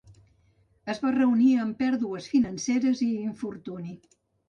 Es va reunir amb pèrdues financeres i infortuni.